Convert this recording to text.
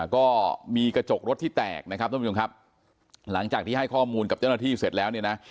ก็มีกระจกรถที่แตกนะครับท่านผู้ชมครับหลังจากที่ให้ข้อมูลกับเจ้าหน้าที่เสร็จแล้วเนี่ยนะ